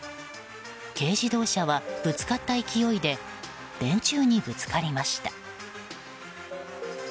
軽自動車はぶつかった勢いで電柱にぶつかりました。